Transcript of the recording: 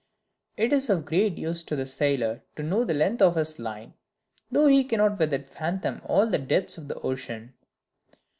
It is of great use to the sailor to know the length of his line, though he cannot with it fathom all the depths of the ocean.